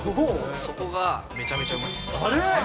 そこがめちゃめちゃうまいです。